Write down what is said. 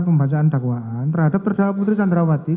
dengan dakwaan pasal tiga ratus empat puluh